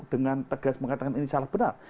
dengan tegas mengatakan ini salah benar